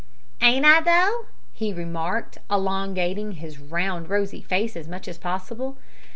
"Ain't I though?" he remarked, elongating his round rosy face as much as possible.